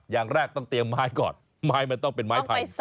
อย่างแรกต้องเตรียมไม้ก่อนไม้มันต้องเป็นไม้ไผ่